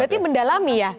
berarti mendalami ya